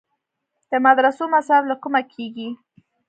د مدرسو مصارف له کومه کیږي؟